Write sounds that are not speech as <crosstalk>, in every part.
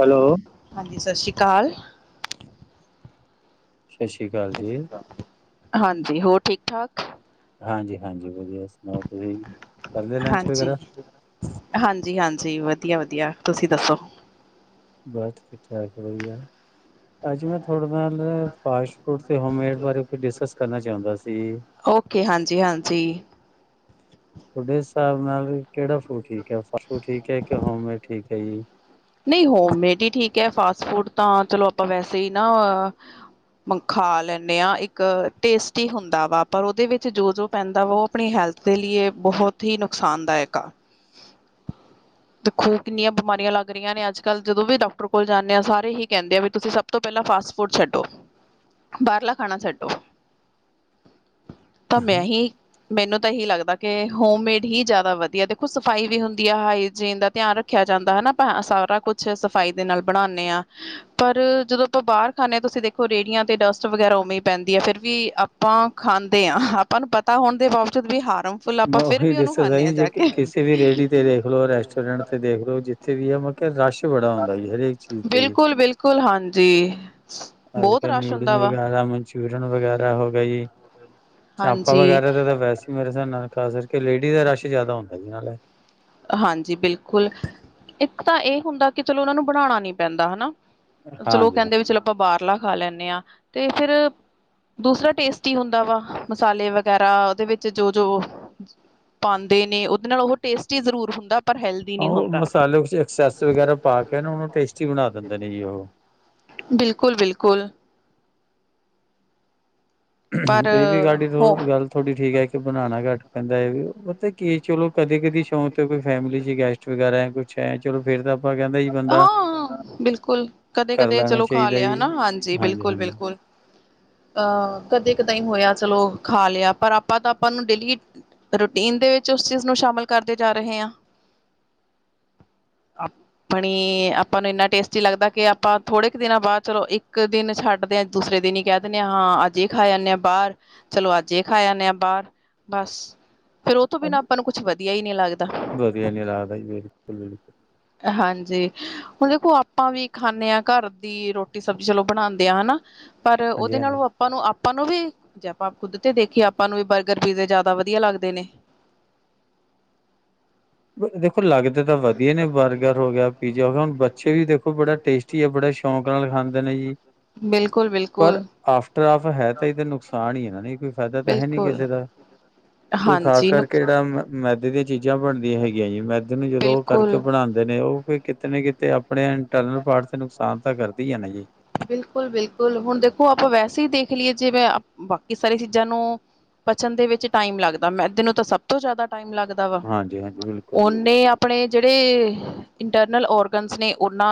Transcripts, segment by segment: Hello ਹਾਂਜੀ ਸਤਿ ਸ਼੍ਰੀ ਅਕਾਲ ਸਤਿ ਸ਼੍ਰੀ ਅਕਾਲ ਜੀ, ਹਾਂਜੀ ਹੋਰ ਠੀਕ ਠਾਕ ਹਾਂਜੀ ਹਾਂਜੀ ਵਧੀਆ ਸੁਣਾਓ ਤੁਸੀਂ? ਕਰ ਲਿਆ ਲੰਚ ਹਾਂਜੀ ਵਗੈਰਾ? ਹਾਂਜੀ ਹਾਂਜੀ ਵਧੀਆ ਵਧੀਆ ਤੁਸੀਂ ਦੱਸੋ ਬਸ ਠੀਕ ਠਾਕ ਵਧੀਆ ਅੱਜ ਮੈਂ ਤੁਥਹਾਡੇ ਨਾਲ ਫਾਸਟ ਫੂਡ ਹੋਮਮੇਡ ਬਾਰੇ ਕੁਛ ਡਿਸਕਸ ਕਰਨਾ ਚਾਹੁੰਦਾ ਸੀ ਓਕੇ ਹਾਂਜੀ ਹਾਂਜੀ ਤੁਹਾਡੇ ਹਿਸਾਬ ਨਾਲ ਕਿਹੜਾ ਫੂਟ ਠੀਕ ਹੈ ਫਾਸਟ ਫੂਡ ਠੀਕ ਹੈ ਕਿ ਹੋਮੇਡ ਠੀਕ ਹੈ ਜੀ ਨਹੀਂ ਹੋਮਮੇਡ ਹੀ ਠੀਕ ਹੈ ਫਾਸ ਫੂਡ ਤਾਂ ਚਲੋ ਆਪਾਂ ਵੈਸੇ ਹੀ ਨਾ ਖਾ ਲੈਂਦੇ ਹਾਂ ਇੱਕ ਟੇਸਟੀ ਹੁੰਦਾ ਵਾ ਪਰ ਉਹਦੇ ਵਿੱਚ ਜੋ ਜੋ ਪੈਂਦਾ ਵਾ ਉਹ ਆਪਣੀ ਹੈਲਥ ਦੇ ਲ ਬਹੁਤ ਹੀ ਨੁਕਸਾਨਦਾਇਕ ਆ ਦੇਖੋ ਕਿੰਨੀਆਂ ਬਿਮਾਰੀਆਂ ਲਗ ਗਇਆ ਨੇ ਅੱਜ ਕੱਲ੍ਹ ਜਦੋਂ ਵੀ ਡਾਕਟਰ ਕੋਲ ਜਾਂਦੇ ਆ ਸਾਰੇ ਹੀ ਕਹਿੰਦੇ ਆ ਵੀ ਤੁਸੀਂ ਸਭ ਤੋਂ ਪਹਿਲਾਂ ਫਾਸਟ ਫੂਡ ਛੱਡੋ ਬਾਹਰਲਾ ਖਾਣਾ ਛੱਡੋ ਤਾਂ ਮੈਹੀ ਮੈਨੂੰ ਤਾਂ ਇਹੀ ਲੱਗਦਾ ਕਿ ਹੋਮਮੇਡ ਹੀ ਜ਼ਿਆਦਾ ਵਧੀਆ ਦੇਖੋ ਸਫ਼ਾਈ ਵੀ ਹੁੰਦੀ ਹੈ ਹਾਈਜੀਨ ਦਾ ਧਿਆਨ ਰੱਖਿਆ ਜਾਂਦਾ ਹਨਾ ਆਪਾਂ ਸਾਰਾ ਕੁਛ ਸਫ਼ਾਈ ਦੇ ਨਾਲ ਬਣਾਉਂਦੇ ਹਾਂ ਪਰ ਜਦੋਂ ਆਪਾਂ ਬਾਹਰ ਖਾਂਦੇ ਹਾਂ ਤੁਸੀਂ ਦੇਖੋ ਰੇਹੜੀਆਂ ਤੇ ਡਸਟ ਵਗੈਰਾ ਉਵੇਂ ਹੀ ਪੈਂਦੀ ਆ ਫਿਰ ਵੀ ਆਪਾਂ ਖਾਂਦੇ ਹਾਂ ਆਪਾਂ ਨੂੰ ਪਤਾ ਹੋਣ ਦੇ ਬਾਵਜੂਦ ਵੀ ਹਾਰਮ ਮੈਂ ਉਹੀ ਦੱਸੋ ਸ ਜੇ ਕਿਸੇ ਵੀ ਰੇਹੜੀ ਤੇ ਦੇਖ ਲੋ ਰੈਸਟੋਰੈਂਟ ਤੇ ਦੇਖ ਲੋ ਜਿੱਥੇ ਵੀ ਮ ਕਿਹਾ ਰਸ਼ ਬੜਾ ਹੁੰਦਾ ਜੀ ਹਰੇਕ ਚੀਜ਼ ਤੇ ਜੀ ਬਿਲਕੁਲ ਬਿਲਕੁਲ ਹਾਂਜੀ ਅੱਜ ਬਹੁਤ ਕੱਲ੍ਹ ਰਸ਼ ਹੁੰਦਾ ਨਿਊਡਲ ਵਾ ਵਗੈਰਾ ਮਨਚੂਰੀਅਨ ਵਗੈਰਾ ਹੋ ਗਏ ਜੀ ਚਾਪਾਂ ਹਾਂਜੀ ਵਗੈਰਾ ਤਾਂ ਵੈਸੇ ਮੇਰੇ ਸਨ ਖਾਸ ਕਰਕੇ ਲੇਡੀਜ਼ ਦਾ ਰਸ਼ ਜ਼ਿਆਦਾ ਹੁੰਦਾ ਜੀ ਨਾਲੇ ਹਾਂਜੀ ਬਿਲਕੁਲ ਇੱਕ ਤਾਂ ਇਹ ਹੁੰਦਾ ਕਿ ਚਲੋ ਉਹਨਾਂ ਨੂੰ ਬਣਾਉਣਾ ਨੀ ਪੈਂਦਾ ਹਨਾ ਚਲੋ ਉਹ ਹਾਂਜੀ ਕਹਿੰਦੇ ਵੀ ਹਾਂਜੀ। ਚਲੋ ਆਪਾਂ ਬਾਹਰਲਾ ਖਾ ਲੈਂਦੇ ਹਾਂ ਤੇ ਫਿਰ ਦੂਸਰਾ ਟੇਸਟ ਹੀ ਹੁੰਦਾ ਵਾ ਮਸਾਲੇ ਵਗੈਰਾ ਉਹਦੇ ਵਿੱਚ ਜੋ ਜੋ ਪਾਉਂਦੇ ਨੇ ਉਹਦੇ ਨਾਲ ਉਹ ਟੇਸਟ ਜ਼ਰੂਰ ਹੁੰਦਾ ਹਾਂ ਉਹ ਮਸਾਲੇ ਕੁ ਐਕਸੈਸ ਵਗੈਰਾ ਪਾ ਕੇ ਨਾ ਉਹਨੂੰ ਟੇਸਟੀ ਬਣਾ ਦਿੰਦੇ ਨੇ ਜੀ ਉਹ ਬਿਲਕੁਲ ਬਿਲਕੁਲ ਪਰ ਇਹ ਵੀ ਗਾਡੀ ੋ ਹੋ ਗੱਲ ਥੋੜੀ ਠੀਕ ਹੈ ਕਿ ਬਣਾਉਣਾ ਘੱਟ ਪੈਂਦਾ ਇਹ ਵੀ ਉਹ ਤਾਂ ਕੀ ਚਲੋ ਕਦੇ ਕਦੀ ਸ਼ੌਂਕ ਕੋਈ ਫੈਮਿਲੀ ਚ ਗੈਸਟ ਵਗੈਰਾ ਕੁ ਅੱਛਾ ਚਲੋ ਫਰ ਤਾਂ ਆਪਾਂ ਕਹਿੰਦਾ ਜੀ ਬੰਦਾ ਹਾਂ ਬਿਲਕੁਲ ਕਦੇ ਕਰ ਕਦੇ ਲੈਣਾ ਚਲੋ ਖਾ ਚਾਹੀਦਾ ਲਿਆ ਜੀ। ਹਨਾ ਹਾਂਜੀ ਬਿਲਕੁਲ ਬਿਲਕੁਲ ਅਹ ਕਦੇ ਕਦ ਹੀ ਹੋਇਆ ਚਲੋ ਖਾ ਲਿਆ ਪਰ ਆਪਾਂ ਤਾਂ ਆਪਾਂ ਨੂੰ ਡੇਲੀ ਰੂਟੀਨ ਦੇ ਵਿੱਚ ਉਸ ਚੀਜ਼ ਨੂੰ ਸ਼ਾਮਿਲ ਕਰਦੇ ਜਾ ਰਹੇ ਹ ਬਣੀ ਆਪਾਂ ਨੂੰ ਇੰਨਾ ਟੇਸਟੀ ਲੱਗਦਾ ਕਿ ਆਪਾਂ ਥੋੜੇ ਕੁ ਦਿਨਾਂ ਬਾਅਦ ਚਲੋ ਇੱਕ ਦਿਨ ਛੱਡਦੇ ਹਾਂ ਦੂਸਰੇ ਦਿਨ ਹੀ ਕਹਿ ਦਿੰਦੇ ਹਾਂ ਹਾਂ ਅੱਜ ਖਾ ਜਾਂਦੇ ਹਾਂ ਬਾਹਰ ਚਲੋ ਅੱਜ ਖਾ ਜਾਂਦੇ ਹਾਂ ਬਾਹਰ ਬਸ ਫਿਰ ਉਹ ਤੋਂ ਬਿਨਾਂ ਆਪਾਂ ਨੂੰ ਕੁਛ ਵਧੀਆ ਹੀ ਨਹੀਂ ਲੱਗਦਾ ਵਧੀਆ ਨਹੀਂੀ ਲਦਾ ਬਿਲਕੁਲ ਬਿਲਕੁਲ ਹਾਂਜੀ ਹੁਣ ਦੇਖੋ ਆਪਾਂ ਵੀ ਖਾਂਦੇ ਹਾਂ ਘਰ ਦੀ ਰੋਟੀ ਸਬਜ਼ੀ ਚਲੋ ਬਣਾਉਂਦੇ ਆਾਂ ਹਨਾ ਪਰ ਹਾਂਜੀ ਉਹਦੇ ਹਾਂਜੀ। ਨਾਲੋਂ ਆਪਾਂ ਨੂੰ ਆਪਾਂ ਨੂੰ ਵੀ ਜੇ ਆਪਾਂ ਖੁਦ ਤੇ ਦੇਖੀਏ ਆਪਾਂ ਨੂੰ ਵੀ ਬਰਗਰ ਪੀਜ਼ੇ ਜ਼ਿਆਦਾ ਵਧੀਆ ਲੱਗਦੇ ਨੇ ਦੇਖ <unintelligible> ਦੇਖੋ ਲੱਗਦੇ ਤਾਂ ਵਧੀਆ ਨੇ ਬਰਗਰ ਹੋ ਗਿਆ ਪੀਜ਼ਾ ਹੋ ਗਿਆ ਹੁਣ ਬ ਪਿੱਛੇ ਵੀ ਦੇਖੋ ਬੜਾ ਟੇਸਟੀ ਆ ਬੜਾ ਸ਼ੌਂਕ ਨਾਲ ਖਾਂਦੇ ਨੇ ਜੀ ਬਿਲਕੁਲ ਪਰ ਬਿਲਕੁਲ ਆਫਟਰ ਆਫ ਹੈ ਤਾਂ ਇਹ ਤਾਂ ਨੁਕਸਾਨ ਹੀ ਹੈ ਨੇ ਕੋਈ ਫਾਇਦਾ ਤਾਂ ਹੈ ਨੀ ਬਿਲਕੁਲ ਕਿਸੇ ਦਾ ਕੋਈ ਖਾਸ ਹਾਂਜੀ ਨੁਕ ਕਰਕੇ ਜਿਹੜਾ ਮ ਮੈਦੇ ਦੀਆਂ ਚੀਜ਼ਾਂ ਬਣ ਹੈਗੀਆਂ ਜੀ ਮੈਦੀ ਨੂੰ ਜਦੋਂ ਉਹ ਕਰਕੇ ਬਿਲਕੁਲ ਬਣਾਉਂਦੇ ਨੇ ਉਹ ਫ ਕਿਤੇ ਕਿਤੇ ਆਪਣੇ ਇੰਟਰਨਲ ਪਾਰਟ ਤੇ ਨੁਕਸਾਨ ਤਾਂ ਕਰਦੀ ਹੈ ਨਾ ਜੀ ਬਿਲਕੁਲ ਬਿਲਕੁਲ ਹੁਣ ਦੇਖੋ ਆਪਾਂ ਵੈਸੇ ਹੀ ਦੇਖ ਲਈਏ ਜਿਵੇਂ ਬਾਕੀ ਸਾਰੀ ਚੀਜ਼ਾਂ ਨੂੰ ਪਚਣ ਦੇ ਵਿੱਚ ਟਾਈਮ ਲੱਗਦਾ ਮੈਂ ਤਨ ਤਾਂ ਸਭ ਤੋਂ ਜ਼ਿਆਦਾ ਟਾਈਮ ਲੱਗਦਾ ਵਾ ਹਾਂਜੀ ਹਾਂਜੀ ਬਿਲਕੁਲ ਜੀ ਬਿਲਕੁਲ ਉਹਓਨੇ ਆਪਣੇ ਜਿਹੜੇ ਇੰਟਰਨਲ ਔਰ ਨੇ ਨਾ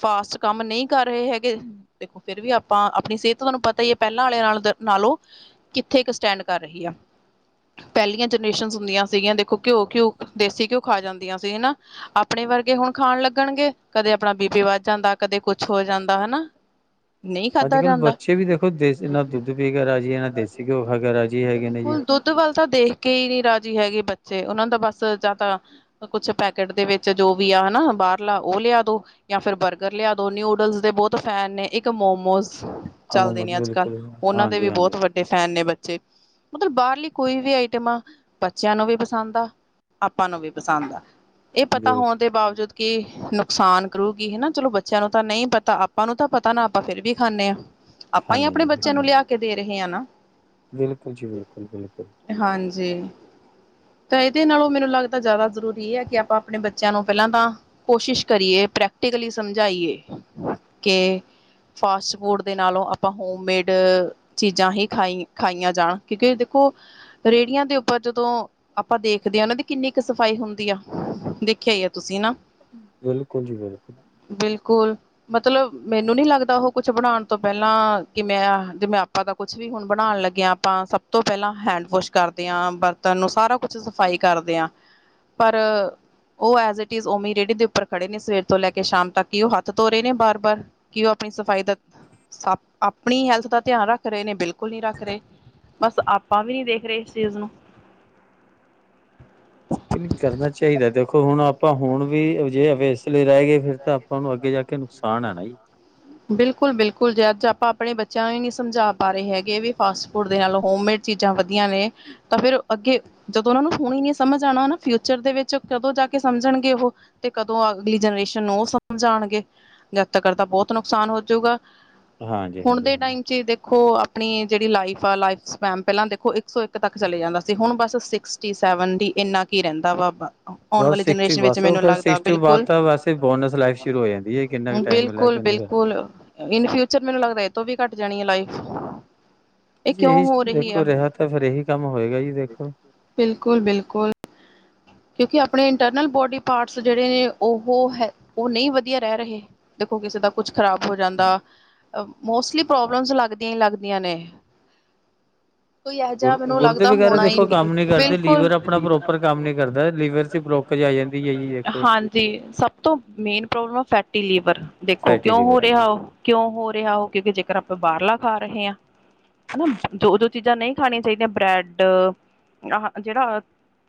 ਫਾਸਟ ਕੰਮ ਨਹੀਂ ਕਰ ਰਹੇ ਹੈਗੇ ਦੇਖੋ ਫਿਰ ਵੀ ਆਪਾਂ ਆਪਣੀ ਸਿਹਤ ਤੁਹਾਨੂੰ ਪਤਾ ਹੀ ਹੈ ਪਹਿਲਾਂ ਵਾਲੇ ਨਾਲ ਨਾਲੋਂ ਕਿੱਥੇ ਇੱਕ ਸਟੈਂਡ ਕਰ ਰਹੀ ਆ ਪਹਿਲੀਆਂ ਜਨਰੇਸ਼ਨ ਹੁੰਦੀਆਂ ਸੀਗੀਆਂ ਦੇਖੋ ਘਿਓ ਘਿਊ ਦੇਸੀ ਘਿਓ ਖਾ ਜਾਂਦੀਆਂ ਸੀ ਨਾ ਆਪਣੇ ਵਰਗੇ ਹੁਣ ਖਾਣ ਲੱਗਣਗੇ ਕਦੇ ਆਪਣਾ ਬੀਬੀ ਵੱਧ ਜਾਂਦਾ ਕਦੇ ਕੁਛ ਹੋ ਜਾਂਦਾ ਹਨਾ ਨਹੀਂ ਅੱਜ ਖਾਧਾ ਕੱਲ੍ਹ ਜਾਂਦਾ। ਬੱਚੇ ਵੀ ਦੇਖੋ ਦੇਸੀ ਨਾ ਦੁੱਧ ਪੀ ਕੇ ਰਾਜੀ ਹੈ ਨਾ ਦੇਸੀ ਘਿਓ ਖਾਗਾ ਰਾਜੀ ਹੈਗੇ ਨੇ ਜੀ ਬਿਲਕੁਲ ਦੁੱਧ ਤੇ ਉਹਨਾਂ ਦਾ ਬਸ ਜਾਂ ਤਾਂ ਕੁਛ ਪੈਕੇਟ ਦੇ ਵਿੱਚ ਜੋ ਵੀ ਆ ਹਨਾ ਬਾਹਰਲਾ ਉਹ ਲਿਆ ਦੋ ਜਾਂ ਫਿਰ ਬਰਗਰ ਲਿਆ ਦੋ ਨਿਊ ਨੂਡਲਸ ਦੇ ਬਹੁਤ ਫੈਨ ਨੇ ਇੱਕ ਮੋਮੋਸ ਹਾਂ ਚੱਲਦੇ ਨੇ ਅੱਜ ਕੱਲ੍ਹ ਬਿਲਕੁਲ ਉਹਨਾਂ ਦੇ ਹਾਂਜੀ ਵੀ ਹਾਂਜੀ ਬਹੁਤ ਵੱਡੇ ਫੈਨ ਨੇ ਬੱਚੇ ਮਤਲਬ ਬਾਹਰਲੀ ਕੋਈ ਵੀ ਆਈਟਮ ਆ ਬੱਚਿਆਂ ਨੂੰ ਵੀ ਪਸੰਦ ਆ ਆਪਾਂ ਨੂੰ ਵੀ ਪਸੰਦ ਆ ਇਹ ਪਤਾ ਹੋਣ ਬਿਲਕੁਲ ਦੇ ਬਾਵਜੂਦ ਕੇ ਨੁਕਸਾਨ ਕਰੂਗੀ ਹਨਾ ਚਲੋ ਬੱਚਿਆਂ ਨੂੰ ਤਾਂ ਨਹੀਂ ਪਤਾ ਆਪਾਂ ਨੂੰ ਤਾਂ ਪਤਾ ਨਾ ਆਪਾਂ ਫੇਿਰ ਵੀ ਖਾਂਦੇ ਹਾਂ ਆਪਾਂ ਹੀ ਖਾਂਦੇ ਆਪਣੇ ਜੀ ਬੱਚਿਆਂ ਬਿਲਕੁਲ ਨੂੰ ਲਿਆ ਕੇ ਦੇ ਇਹ ਆ ਨਾ ਬਿਲਕੁਲ ਜੀ, ਬਿਲਕੁਲ- ਬਿਲਕੁਲ। ਜੀ ਤਾਂ ਇਹਦੇ ਨਾਲੋਂ ਮੈਨੂੰ ਲੱਗਦਾ ਜ਼ਿਆਦਾ ਜ਼ਰੂਰੀ ਹੈ ਕਿ ਆਪਾਂ ਆਪਣੇ ਬੱਚਿਆਂ ਨੂੰ ਪਹਿਲਾਂ ਤਾਂ ਕੋਸ਼ਿਸ਼ ਕਰੀਏ ਪ੍ਰੈਕਟੀਕਲੀ ਸਮਝਾਈਏ ਕਿ ਫਾਸਟ ਫੂਡ ਦੇ ਨਾਲੋਂ ਆਪਾਂ ਹੋਮਮੇਡ ਚੀਜ਼ਾਂ ਹੀ ਖਾਈ ਖਾਈਆਂ ਜਾਣ ਕਿਉਂਕਿ ਦੇਖੋ ਰੇਹੜੀਆਂ ਦੇ ਉੱਪਰ ਜਦੋਂ ਆਪਾਂ ਦੇਖਦੇ ਹਾਂ, ਉਹਨਾਂ ਦੀ ਕਿੰਨੀ ਕੁ ਸਫ਼ਾਈ ਹੁੰਦੀ ਆ ਦੇਖਿਆ ਹੀ ਆ ਤੁਸੀਂ ਨਾ ਬਿਲਕੁਲ ਜੀ, ਬਿਲਕੁਲ ਬਿਲਕੁਲ ਮਤਲਬ ਮੈਨੂੰ ਨੀ ਲੱਗਦਾ ਉਹ ਕੁਛ ਬਣਾਣ ਤੋਂ ਪਹਿਲਾਂ ਕਿਵੇੈਂ ਜਿਵੇਂ ਆਪਾਂ ਦਾ ਕੁਛ ਵੀ ਹੁਣ ਬਣਾਣ ਲੱਗੇ ਹਾਂ ਆਪਾਂ ਸਭ ਤੋਂ ਪਹਿਲਾਂ ਹੈਂਡ ਵੋਸ਼ ਕਰਦੇ ਹਾਂ ਬਰਤਨ ਨੂੰ ਸਾਰਾ ਕੁਛ ਸਫ਼ਾਈ ਕਰਦੇ ਹਾਂ, ਪਰ ਉਹ ਐਜੀਟਿਜ਼ ਉਵੇਂ ਰੇਹੜੀ ਦੇ ਉੱਪਰ ਖੜੇ ਨੇ ਸਵੇਰ ਤੋਂ ਲੈ ਕੇ ਸ਼ਾਮ ਤੱਕ ਕਿ ਉਹ ਹੱਥ ਧੋ ਨੇ ਬਾਰ- ਬਾਰ ਕਿ ਉਹ ਆਪਣੀ ਸਫ਼ਾਈ ਦਾ ਸ ਆਪਣੀ ਹੈਲਥ ਦਾ ਧਿਆਨ ਰੱਖ ਰਹੇ ਨੇ ਬਿਲਕੁਲ ਨਹੀਂ ਰੱਖ ਰਹੇ, ਬਸ ਆਪਾਂ ਵੀ ਨਹੀਂ ਦੇਖ ਰਹੇ ਇਸ ਚੀਜ਼ ਨੂੰ ਨਹੀਂ ਕਰਨਾ ਚਾਹੀਦਾ ਦੇਖੋ ਹੁਣ ਆਪਾਂ ਹੁਣ ਵੀ ਅਜਿਹੇ ਵੇ ਇਸ ਰਹਿ ਗਏ ਫਿਰ ਤਾਂ ਆਪਾਂ ਨੂੰ ਅੱਗੇ ਜਾ ਕੇ ਨੁਕਸ ਪਾਣਾ ਬਈ। ਬਿਲਕੁਲ- ਬਿਲਕੁਲ ਜੇ ਅੱਜ ਆਪਾਂ ਆਪਣੇ ਬੱਚਿਆਂ ਨੂੰ ਨੀ ਸਮਝਾ ਪਾ ਰਹੇ ਹੈਗੇ ਵੀ ਫਾਸਟ ਫੂਡ ਦੇ ਨਾਲ ਹੋਮੇਡ ਚੀਜ਼ਾਂ ਵਧੀਆ ਨੇ ਤਾਂ ਫਿਰ ਅੱਗੇ ਜਦੋਂ ਉਹਨਾਂ ਨੂੰ ਹੁਣ ਨੀ ਸਮਝ ਆਣਾ ਨਾ ਫਿਊਚਰ ਦੇ ਵਿੱਚ ਕਦੋਂ ਜਾ ਕੇ ਸਮਝਣਗੇ, ਉਹ ਤੇ ਕਦੋਂ ਅਗਲੀ ਜਨਰੇਸ਼ਨ ਨੂੰ ਉਹ ਸਮਝਾਣਗੇ ਜਦ ਤੱਕ ਤਾਂ ਬਹੁਤ ਨੁਕਸਾਨ ਹੋਜੂਗਾ ਹਾਂਜੀ ਹੁਣ ਹਾਂਜੀ ਦੇ ਹਾਂਜੀ ਟਾਈਮ ਚ ਦੇਖੋ ਆਪਣੀ ਜਿਹੜੀ ਲਾਈਫ ਆ ਲਾਈਫ ਸਪੈਨ ਪਹਿਲਾਂ ਦੇਖੋ ਇੱਕ ਸੌ ਇੱਕ ਤੱਕ ਚਲੇ ਜਾਂਦਾ ਸੀ, ਹੁਣ ਬਸ ਸਿਕਸਟੀ ਸੈਵਨਟੀ ਇੰਨਾ ਕੀ ਰਹਿੰਦਾ ਵਾ ਆਪਣਾ ਬਸ ਸਿਕਸਟੀ ਬਸ ਓਹ ਕਹਿੰਦੇ ਸਿਕਸਟੀ ਬਾਅਦ ਬਿਲਕੁਲ ਤਾਂ ਵੈਸੇ ਬੋਨਸ ਲਾਈਫ ਸ਼ੁਰੂ ਹੋ ਜਾਂਦੀ ਹੈ, ਕਿੰਨਾ ਕੁ ਟਾਈਮ ਮਿਲਿਆ ਬਿਲਕੁਲ ਕਿੰਨਾ ਕੁ ਬਿਲਕੁਲ ਇਨ ਫਿਊਚਰ ਮੈਨੂੰ ਲੱਗਦਾ ਇਹਤੋਂ ਵੀ ਘੱਟ ਜਾਣੀ ਆ ਲਾਈਫ ਇਹ ਜੀ ਕਿਉਂ ਇਹੀ ਹੋ ਰਹੀ ਆ ਦੇਖੋ ਰਿਹਾ ਤਾਂ ਫਿਰ ਇਹੀ ਕੰਮ ਹੋਏਗਾ ਜੀ ਦੇਖੋ ਕਿ ਆਪਣੇ ਇੰਟਰਨਲ ਬੋਡੀ ਪਾਰਟਸ ਜਿਹੜੇ ਨੇ ਉਹ ਹੈ ਉਹ ਨਹੀਂ ਵਧੀਆ ਰਹਿ ਰਹੇ ਦੇਖੋ ਕਿਸੇ ਦਾ ਕੁਛ ਖਰਾਬ ਹੋ ਜਾਂਦਾ ਮੋਸਟਲੀ ਪ੍ਰੋਬਲਮਜ਼ ਲੱਗਦੀਆਂ ਹੀ ਲੱਗਦੀਆਂ ਨੇ ਕੋਈ ਇਹੋ ਜਿਹਾ ਗੁਰ ਮੈਨੂੰ ਗੁਰਦੇ ਲੱਗਦਾ ਵਗੈਰਾ ਹੋਣਾ ਹੀ ਦੇਖੋ ਨਹੀਂ ਕੰਮ ਨੀ ਕਰਦੇ ਲੀਵਰ ਬਿਲਕੁਲ ਆਪਣਾ ਪ੍ਰੋਪਰ ਕੰਮ ਨੀ ਕਰਦਾ ਲੀਵਰ ਚ ਬਲੋਕਜ ਆ ਜਾਂਦੀ ਹੈ ਜੀ ਦੇਖੋ ਹਾਂਜੀ ਸਭ ਤੋਂ ਮੇਨ ਪ੍ਰੋਬਲਮ ਫੈਟੀ ਲੀਵਰ ਦੇਖੋ ਫੈਟੀ ਕਿਉਂ ਲੀਵਰ ਹੋ ਜੀ ਰਿਹਾ ਹੋ ਕਿਉਂ ਹੋ ਰਿਹਾ ਹੋ, ਕਿਉਂਕਿ ਜੇਕਰ ਆਪਾਂ ਬਾਹਰਲਾ ਖਾ ਰਹੇ ਹਾਂ ਹੁਣ ਜੋ-ਜੋ ਚੀਜ਼ਾਂ ਨਹੀਂ ਖਾਣੀਆਂ ਚਾਹੀਦੀਆਂ ਬ੍ਰੈਡ ਆ ਜਿਹੜਾ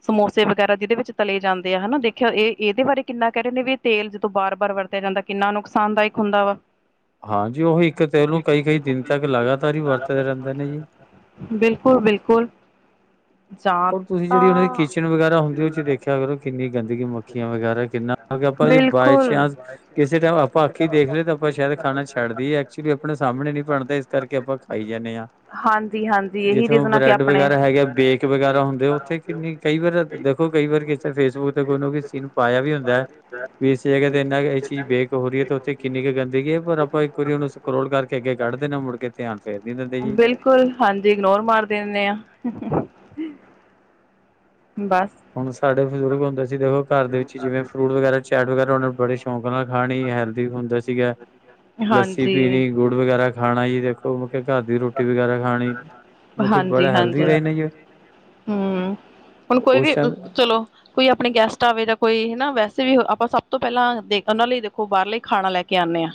ਸਮੋਸੇ ਵਗੈ ਫਿਰ ਜਿਹਦੇ ਵਿੱਚ ਤਲੇ ਜਾਂਦੇ ਆ ਹਨਾ ਦੇਖਿਆ ਇਹ ਇਹਦੇ ਬਾਰੇ ਕਿੰਨਾ ਕਹਿ ਰਹੇ ਨੇ ਵੀ ਤੇਲ ਜਦੋਂ ਬਾਰ ਬਾਰ ਵਰਤਿਆ ਜਾਂਦਾ ਕਿੰਨਾ ਨੁਕਸਾਨਦਾਇਕ ਹੁੰਦਾ ਵਾ ਹਾਂਜੀ ਉਹ ਇੱਕ ਤੇਲ ਨੂੰ ਕਈ ਕਈ ਦਿਨ ਤੱਕ ਲਗਾਤਾਰ ਹੀ ਵਰਤਦੇ ਰਹਿੰਦੇ ਨੇ ਜੀ <unintelligible> ਬਿਲਕੁਲ- ਬਿਲਕੁਲ ਜਾਂ ਓਹ ਤੁਸੀਂ ਜਿਹੜੀ ਉਹਨਾਂ ਦੀ ਤਾਂ ਕਿਚਨ ਵਗੈ ਮੱਖੀਆਂ ਵਗੈਰਾ ਕਿੰਨਾ ਆਪਾਂ ਜੇ ਬਾਏ ਬਿਲਕੁਲ ਚਾਂਸ ਕਿਸੇ ਟਾਈਮ ਆਪਾਂ ਅੱਖੀ ਦੇਖ ਲਏ ਤਾਂ ਆਪਾਂ ਸ਼ਾਇਦ ਖਾਣਾ ਛੱਡ ਦੇਈਏ ਐਕਚੁਲੀ ਆਪਣੇ ਸਾਹਮਣੇ ਨੀ ਬਣਦਾ ਇਸ ਕਰਕੇ ਆਪਾਂ ਖਾਈ ਜਾਂਦੇ ਹਾਂ। ਹਾਂਜੀ- ਹਾਂਜੀ ਇਹੀ ਜਿੱਥੇ ਉਹ ਰੀਜਨ ਆ ਕੇ ਬ੍ਰੈਡ ਆਪਣੇ ਵਗੈਰਾ ਹੈਗੇ ਬੇਕ ਵਗੈਰਾ ਹੁੰਦੇ ਉੱਥੇ ਕਿੰਨੀ ਕਈ ਵਾਰ ਦੇਖੋ ਕਈ ਵਾਰ ਕਿਸੇ ਫੇਸਬੁੱਕ ਤੇ ਕੋਈ ਨਾ ਕੋਈ ਸੀਨ ਪਾਇਆ ਵੀ ਹੁੰਦਾ ਹੈ। ਵੀ ਇਸ ਜਗ੍ਹਾ ਤੇ ਇੰਨਾ ਇਹ ਚੀਜ਼ ਬੇਕ ਹੋ ਰਹੀ ਹੈ ਤੇ ਉੱਥੇ ਕਿੰਨੀ ਕੁ ਗੰਦਗੀ ਹੈ ਪਰ ਆਪਾਂ ਇੱਕ ਵਾਰੀ ਉਹਨੂੰ ਸਕਰੋਲ ਕਰਕੇ ਅੱਗੇ ਕੱਢ ਦੇਣਾ ਮੁੜ ਕੇ ਧਿਆਨ ਫੇਰ ਨੀ ਦਿੰਦੇ ਜੀ। ਬਿਲਕੁਲ ਹਾਂਜੀ ਇਗਨੋਰ ਮਾਰ ਦਿੰਨੇ ਆਂ। ਹੁਣ ਸਾਡੇ ਬਜ਼ੁਰਗ ਹੁੰਦੇ ਸੀ ਦੇਖੋ ਘਰ ਦੇ ਵਿੱਚ ਜਿਵੇਂ ਫਰੂਟ ਵਗੈਰਾ ਚੈਟ ਵਗੈਰਾ ਉਹਨਾਂ ਨੂੰ ਬੜੇ ਸ਼ੌਂਕ ਨਾਲ ਖਾਣੀ ਹੈਲਦੀ ਹੁੰਦਾ ਸੀਗਾ, ਲੱਸੀ ਹਾਂਜੀ ਪੀਣੀ, ਗੁੜ ਵਗੈਰਾ ਖਾਣਾ ਜੀ ਦੇਖੋ ਮਤਲਬ ਘਰ ਦੀ ਰੋਟੀ ਵਗੈਰਾ ਖਾਣੀ ਮਤਲਬ ਬੜੇ ਹਾਂਜੀ ਹੈਲਦੀ ਹਾਂਜੀ ਰਹੇ ਨੇ ਜੀ। ਹੂੰ ਹੁਣ ਕੋਈ ਉਸ ਵੀ ਟਾਈਮ ਚਲੋ ਕੋਈ ਆਪਣੇ ਗੈਸਟ ਆਵੇ ਜਾਂ ਕੋਈ ਹਨਾ ਵੈਸੇ ਵੀ ਆਪਾਂ ਸਭ ਤੋਂ ਪਹਿਲਾਂ ਦੇ ਉਹਨਾਂ ਲਈ ਦੇਖੋ ਬਾਹਰਲੇ ਖਾਣਾ ਲੈ ਕੇ ਆਂਦੇ ਹਾਂ,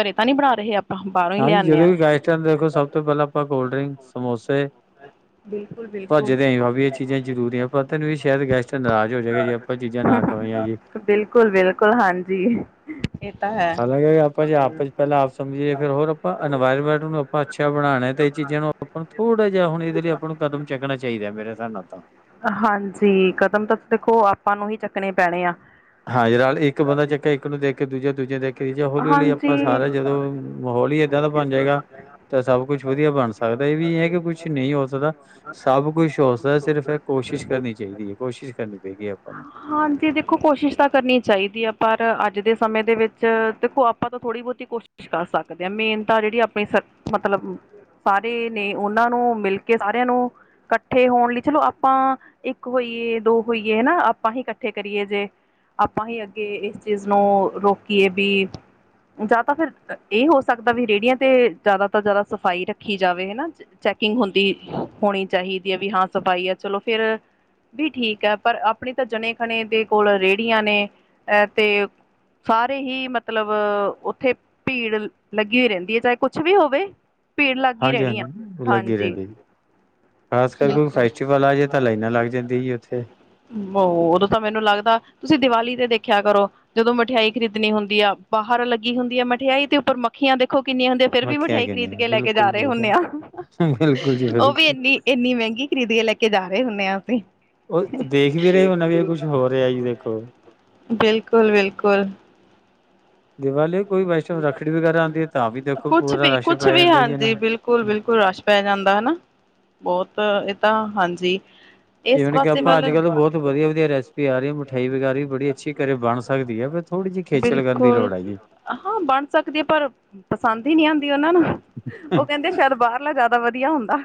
ਘਰੇ ਤਾਂ ਨਹੀਂ ਬਣਾ ਰਹੇ ਆਪਾਂ। ਬਾਹਰੋਂ ਹੀ ਹਾਂਜੀ ਲਿਆਦੇ ਜਦੋਂ ਹਾਂ ਵੀ ਗਾਇਸਟ ਦੇਖੋ ਸਭ ਤੋਂ ਪਹਿਲਾਂ ਆਪਾਂ ਕੋਲਡ ਡਰਿੰਕ ਸਮੋਸੇ ਬਿਲਕੁਲ ਬਿਲਕੁਲ ਭੱਜੇ ਦੇ ਭਾ ਵੀ ਇਹ ਚੀਜ਼ਾਂ ਜ਼ਰ ਜੇ ਆਪਾਂ ਚੀਜ਼ਾਂ ਨਾ ਖਵਾਈਆਂ ਜੀ। ਬਿਲਕੁਲ ਬਿਲਕੁਲ ਹਾਂਜੀ ਇਹ ਤਾਂ ਹੈ ਹਾਲਾਂਕਿ ਆਪਾਂ ਜੇ ਆਪ ਪਹਿਲਾਂ ਆਪ ਸਮਝੀਏ ਫਿਰ ਹੋਰ ਆਪਾਂ ਇਨਵਾਇਰਮੈਂਟ ਨੂੰ ਆਪਾਂ ਅੱਛਾ ਬਣਾਉਣਾ ਤੇ ਇਹ ਚੀਜ਼ਾਂ ਨੂੰ ਆਪਾਂ ਥੋੜਾ ਜਿਹਾ ਹੁਣ ਇਹਦੇ ਲਈ ਆਪ ਨੂੰ ਕਦਮ ਚੁੱਕਣਾ ਚਾਹੀਦਾ ਮੇਰੇ ਹਿਸਾਬ ਨਾਲ ਤਾਂ ਹਾਂਜੀ ਕਦਮ ਤਾਂ ਦੇਖੋ ਆਪਾਂ ਨੂੰ ਹੀ ਚੱਕਣੇ ਪੈਣੇ ਆ ਹਾਂਜੀ ਇੱਕ ਬੰਦਾ ਚੱਕਿਆ ਇੱਕ ਨੂੰ ਦੇਖ ਕੇ ਦੂਜਾ ਦੂਜਿਆਂ ਦੇਖ ਕੇ ਤੀਜਾ ਹੌਲੀ ਹੌਲੀ ਆਪਾਂ ਸਾਰਾ ਜਦੋਂ ਹਾਂਜੀ ਮਾਹੌਲ ਹੀ ਏਦਾਂ ਦਾ ਬਣ ਜਾਏਗਾ ਤਾਂ ਸਭ ਕੁਛ ਵਧੀਆ ਬਣ ਸਕਦਾ ਇਹ ਵੀ ਹੈ ਕਿ ਕੁਛ ਨਹੀਂ ਹੋ ਸਕਦਾ ਸਭ ਕੁਛ ਹੋ ਸਕਦਾ ਸਿਰਫ ਕੋਸ਼ਿਸ਼ ਕਰਨੀ ਚਾਹੀਦੀ ਹੈ ਕੋਸ਼ਿਸ਼ ਕਰਨੀ ਪਏਗੀ ਆਪਾਂ ਨੂੰ ਹਾਂਜੀ ਦੇਖੋ ਕੋਸ਼ਿਸ਼ ਤਾਂ ਕਰਨੀ ਚਾਹੀਦੀਆ ਪਰ ਅੱਜ ਦੇ ਸਮੇਂ ਦੇ ਵਿੱਚ ਦੇਖੋ ਆਪਾਂ ਤਾਂ ਥੋੜ੍ਹੀ ਬਹੁਤੀ ਕੋਸ਼ਿਸ਼ ਕਰ ਸਕਦੇ ਹਾਂ ਮੇਨ ਤਾਂ ਜਿਹੜੀ ਆਪਣੀ ਮਤਲਬ ਸਾਰੇ ਨੇ ਉਹਨਾਂ ਨੂੰ ਮਿਲ ਕੇ ਸਾਰਿਆਂ ਨੂੰ ਇਕੱਠੇ ਹੋਣ ਲਈ ਚਲੋ ਆਪਾਂ ਇੱਕ ਹੋਈਏ ਦੋ ਹੋਈਏ ਹਨਾ ਆਪਾਂ ਹੀ ਇਕੱਠੇ ਕਰੀਏ ਜੇ ਆਪਾਂ ਹੀ ਅੱਗੇ ਇਸ ਚੀਜ਼ ਨੂੰ ਰੋਕੀਏ ਵੀ ਜਾਂ ਤਾਂ ਫਿਰ ਇਹ ਹੋ ਸਕਦਾ ਵੀ ਰੇਹੜੀਆਂ ਤੇ ਜ਼ਿਆਦਾ ਤੋਂ ਜ਼ਿਆਦਾ ਸਫ਼ਾਈ ਰੱਖੀ ਜਾਵੇ ਹਨਾ ਚੈਕਿੰਗ ਹੁੰਦੀ ਹੋਣੀ ਚਾਹੀਦੀ ਹੈ ਵੀ ਹਾਂ ਸਫ਼ਾਈ ਹੈ ਚਲੋ ਫਿਰ ਵੀ ਠੀਕ ਹੈ ਪਰ ਆਪਣੀ ਤਾਂ ਜਣੇ ਖਣੇ ਦੇ ਕੋਲ ਰੇਹੜੀਆਂ ਨੇ ਤੇ ਸਾਰੇ ਹੀ ਮਤਲਬ ਉੱਥੇ ਭੀੜ ਲੱਗੀ ਹੋਈ ਰਹਿੰਦੀ ਹੈ ਚਾਹੇ ਕੁਛ ਵੀ ਹੋਵੇ ਭੀੜ ਲੱਗ ਹੀ ਹਾਂਜੀ ਹਾਂ ਰਹਿਣੀ ਹਾਂਜੀ ਆ ਹਾਂਜੀ ਲੱਗੀ ਰਹਿੰਦੀ ਖਾਸ ਕਰ ਕੋ ਬਿਲਕੁਲ ਫੈਸਟੀਵਲ ਆ ਜਾ ਉਹ ਉਦੋਂ ਤਾਂ ਮੈਨੂੰ ਲੱਗਦਾ ਤੁਸੀਂ ਦੀਵਾਲੀ ਤੇ ਦੇਖਿਆ ਕਰੋ ਜਦੋਂ ਮਠਿਆਈ ਖਰੀਦਣੀ ਹੁੰਦੀ ਆ ਬਾਹਰ ਲੱਗੀ ਹੁੰਦੀ ਹੈ ਮਠਿਆਈ ਦੇ ਉੱਪਰ ਮੱਖੀਆਂ ਦੇ ਖੋ ਕਿੰਨੀਆਂ ਹੁੰਦੀਆਂ ਫਿਰਰ ਵੀ ਮੱਖੀਆਂ ਮਿਠਿਆਈ ਖਰੀਦ ਕਿੰਨੀਆਂ ਕੇ ਲੈ ਕੇ ਜਾ ਬਿਲਕੁਲ ਰਹੇ ਹੁੰਦੇ ਬਿਲਕੁਲ ਆ ਬਿਲਕੁਲ ਜੀ ਉਹ ਵੀ ਬਿਲਕੁਲ ਇੰਨੀ ਇੰਨੀ ਮਹਿੰਗੀ ਖਰੀਦ ਕੇ ਲੈ ਕੇ ਜਾ ਰਹੇ ਹੁੰਦੇ ਹਾਂ ਅਸੀਂ ਉਹ ਦੇਖ ਵੀ ਰਹੇ ਹੋਣਾ ਵੀ ਕੁਛ ਹੋ ਰਿਹਾ ਜੀ ਦੇਖੋ ਬਿਲਕੁਲ ਬਿਲਕੁਲ ਦੀਵਾਲੀ ਕੋਈ ਵੈਸ਼ਨਵ ਰੱਖੜੀ ਵਗੈਰਾ ਆਉਂਦੀ ਹੈ ਤਾਂ ਵੀ ਦੇਖੋ ਕੁਛ ਵੀ ਪੂਰਾ ਰਸ਼ ਕੁਛ ਪੈ ਵੀ ਜਾਂਦਾ ਜੀ ਹਾਂਜੀ ਨਾ ਬਿਲਕੁਲ ਬਿਲਕੁਲ ਰਸ਼ ਪੈ ਜਾਂਦਾ ਹਨਾ ਬਹੁਤ ਤਾਂ ਹਾਂਜੀ ਇਸ ਈਵਨ ਕਿ ਪਾਸੇ ਆਪਾਂ ਅੱਜ ਵੱਲ ਕੱਲ੍ਹ ਬਹੁਤ ਵਧੀਆ ਵਧੀਆ ਰੈਸਪੀ ਆ ਰਹੀ ਹੈ ਮਿਠਾਈ ਵਗੈਰਾ ਵੀ ਬੜੀ ਅੱਛੀ ਘਰੇ ਬਣ ਸਕਦੀ ਹੈ ਫ ਥੋੜ੍ਹੀ ਜਿਹੀ ਖੇਚਲ ਕਰਨ ਦੀ ਲੋੜ ਹੈ ਜੀ ਹ ਹਾਂ ਬਣ ਸਕਦੀ ਹੈ ਪਰ ਪਸੰਦ ਹੀ ਨਹੀਂੀ ਆਉਂਦੀ ਉਹਨਾਂ ਨੂੰ ਉਹ ਕਹਿੰਦੇ ਸ਼ਾਇਦ ਬਾਹਰਲਾ ਜ਼ਿਆਦਾ ਵਧੀਆ ਹੁੰਦਾ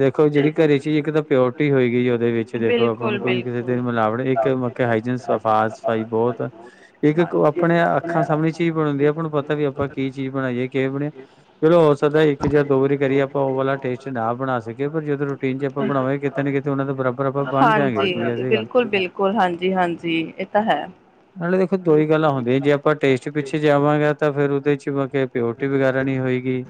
ਦੇਖੋ ਜਿਹੜੀ ਘਰੇ ਚੀ ਇੱਕ ਤਾਂ ਪਿਓਰਟੀ ਹੋਏਗੀ ਉਹਦੇ ਵਿੱਚ ਦੇਖੋ ਆਪਾਂ ਬਿਲਕੁਲ ਹੁਣ ਕੋਈ ਕਿਸੇ ਦਿ ਬਿਲਕੁਲ ਮਿਲਾਵਟ ਇੱਕ ਮੱਕੇ ਹਾਈਨ ਸਫਾ ਸਫ਼ਾਈ ਬਹੁਤ ਇੱਕ ਆਪਣੇ ਅੱਖਾਂ ਸਾਹਮਣੇ ਚੀਜ਼ ਬਣਉਂਦੀ ਆ ਆਪਾਂ ਨੂੰ ਪਤਾ ਵੀ ਆਪਾਂ ਕੀ ਚੀਜ਼ ਬਣਾਈਏ ਕਿ ਬਣਿਆ ਚਲੋ ਹੋ ਸਕਦਾ ਇੱਕ ਜਾਂ ਦੋ ਵਾਰੀ ਕਰੀਏ ਆਪਾਂ ਉਹ ਵਾਲਾ ਟੇਸਟ ਨਾ ਬਣਾ ਸਕੀਏ ਪਰ ਜਦੋਂ ਰੂਟੀਨ ਚ ਆਪਾਂ ਬਣਾਵਾਂਗੇ ਕਿਤੇ ਨਾ ਕਿਤੇ ਉਹਨਾਂ ਦੇ ਬਰਾਬਰ ਆਪਾਂ ਬਣ ਜਾਂਗੇ ਕੋਈ ਹਾਂਜੀ ਐਸੀ ਗੱਲ ਬਿਲਕੁਲ ਬਿਲਕੁਲ ਹਾਂਜੀ ਹਾਂਜੀ ਇਹ ਤਾਂ ਹੈ ਜਾਵਾਂਗਾ ਤਾਂ ਫਿਰ ਉਹਦੇ ਚ ਹੀ ਬ ਪੋਟੀ ਵਗੈਰਾ ਨਹੀਂੀ ਹੋਏਗੀ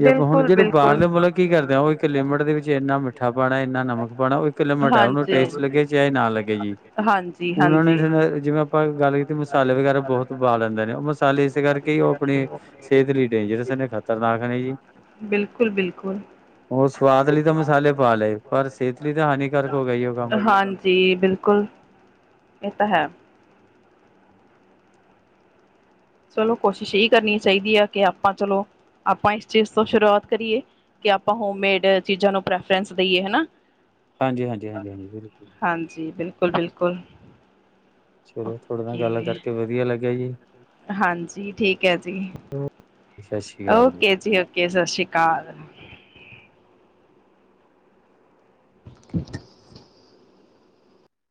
ਜੇ ਆਪਾਂ ਹੁਣ ਜਿਹੜੇ ਬਿਲਕੁਲ। ਬਾਹਰਲੇ ਮੁਲਕ ਕੀ ਕਰਦੇ ਆ ਉਹ ਲਿਮਿਟ ਦੇ ਵਿੱਚ ਇੰਨਾ ਮਿੱਠਾ ਪਾਉਣਾ ਇੰਨਾ ਨਮਕ ਪਾਉਣਾ ਉਹ ਇੱਕ ਲਿਮਟ ਹੈ ਉਹਨੂੰ ਹਾਂਜੀ। ਟੇਸਟ ਲੱਗੇ ਚਾਹ ਨਾ ਲੱਗੇ ਜੀ ਹਾਂਜੀ, ਉਹ ਹਾਂਜੀ। ਨੇ ਜਿਵੇਂ ਆਪਾਂ ਗੱਲ ਕੀਤੀ ਮਸਾਲੇ ਵਗੈਰਾ ਬਹੁਤ ਪਾ ਲੈਂਦੇ ਨੇ ਉਹ ਮਸਾਲੇ ਇਸ ਕਰਕੇ ਉਹ ਆਪਣੇ ਸਿਹਤ ਲਈ ਡੇਂਜਰਸ ਨੇ ਖ਼ਤਰਨਾਕ ਨੇ ਜੀ। ਬਿਲਕੁਲ ਬਿਲਕੁਲ ਉਹ ਸਵਾਦ ਲਈ ਤਾਂ ਮਸਾਲੇ ਪਾ ਲਏ ਪਰ ਸਿਹਤ ਲਈ ਤਾਂ ਹਾਨੀਕਾਰਕ ਹੋ ਗਿਆ ਜੀ ਉਹ ਕੰਮ। ਹਾਂਜੀ ਬਿਲਕੁਲ ਇਹ ਤਾਂ ਹੈ ਚਲੋ ਕੋਸ਼ਿਸ਼ ਇਹ ਕਰਨੀ ਚਾਹੀਦੀ ਆ ਕਿ ਆਪਾਂ ਚਲੋ ਆਪਾਂ ਇਸ ਚੀਜ਼ ਤੋਂ ਸ਼ੁਰੂਆਤ ਕਰੀਏ ਕਿ ਆਪਾਂ ਹੋਮਮੇਡ ਚੀਜ਼ਾਂ ਨੂੰ ਪ੍ਰੈਫਰੈਂਸ ਦੇਈਏ ਹਨਾ ਹਾਂਜੀ ਹਾਂਜੀ ਹਾਂਜੀ ਹਾਂਜੀ ਬਿਲਕੁਲ ਹਾਂਜੀ ਬਿਲਕੁਲ ਬਿਲਕੁਲ ਚਲੋ ਥੋੜੇ ਨਾਲ ਗੱਲ ਓਕੇ ਕਰਕੇ ਵਧੀਆ ਲੱਗਿਆ ਜੀ ਹਾਂਜੀ ਠੀਕ ਹੈ ਜੀ ਸਤਿ ਸ਼੍ਰੀ ਅਕਾਲ। ਓਕੇ ਜੀ ਓਕੇ ਸਤਿ ਸ੍ਰੀ ਅਕਾਲ ਠੀ <unintelligible>